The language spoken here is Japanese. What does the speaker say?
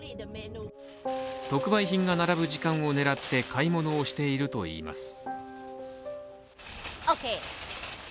特売品が並ぶ時間を狙って買い物をしているといいます。